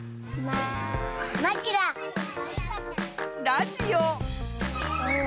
ラジオ。